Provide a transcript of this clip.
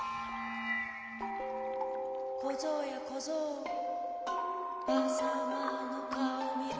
「こぞうやこぞうばさまのかおをみろ」